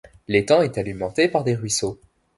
L'étang est alimenté par des ruisseaux.